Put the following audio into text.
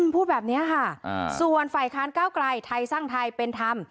พูดแบบนี้ค่ะส่วนฝ่ายค้านก้าวไกลไทยสร้างไทยเป็นธรรม